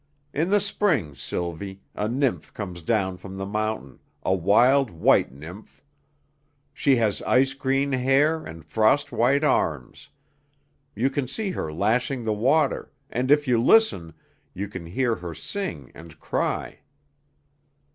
In the spring, Sylvie, a nymph comes down from the mountain, a wild white nymph. She has ice green hair and frost white arms; you can see her lashing the water, and if you listen, you can hear her sing and cry.